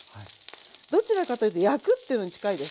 どちらかというと焼くというのに近いです